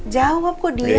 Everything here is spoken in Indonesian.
jawab kok dia